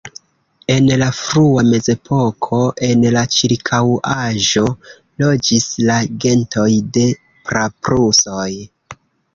En la frua Mezepoko en la ĉirkaŭaĵo loĝis la gentoj de praprusoj.